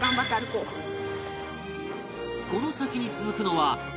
この先に続くのは登山道